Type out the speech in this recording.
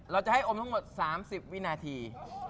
เราจะให้อมทั้งหมด๓๐วินาที